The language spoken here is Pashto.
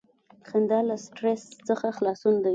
• خندا له سټریس څخه خلاصون دی.